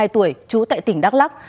ba mươi hai tuổi trú tại tỉnh đắk lắc